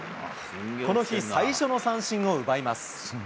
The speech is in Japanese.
この日、最初の三振を奪います。